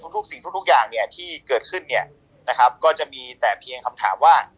ทุกสิ่งทุกอย่างที่เกิดขึ้นก็จะมีแต่เพียงคำถามว่า